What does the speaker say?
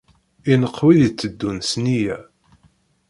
Ineqq wid itteddun s nniya.